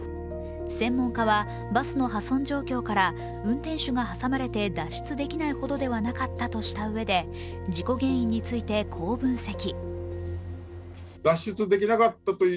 専門家はバスの破損状況から運転手が挟まれて脱出できないほどではなかったとしたうえで、事故原因についてこう分析。